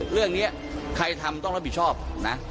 เรื่องนี้ใครทำต้องรับผิดชอบนะ